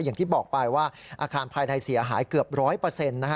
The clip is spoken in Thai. อย่างที่บอกไปว่าอาคารภายในเสียหายเกือบ๑๐๐นะครับ